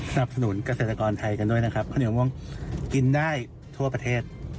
สนับสนุนเกษตรกรไทยกันด้วยนะครับข้าวเหนียวม่วงกินได้ทั่วประเทศ